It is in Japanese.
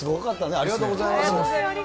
ありがとうございます。